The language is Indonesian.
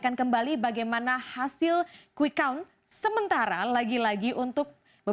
yang sangat penting untuk anisandi